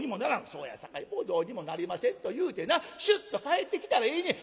「『そうやさかいもうどうにもなりません』と言うてなシュッと帰ってきたらええねん。